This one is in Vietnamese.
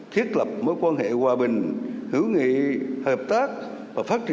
thiết lập mối quan hệ hòa bình hữu nghị hợp tác